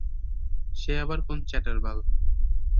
সে আবার কোন চ্যাটের বাল?